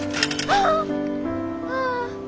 ああ。